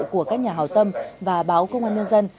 của các nhà hào tâm và báo công an nhân dân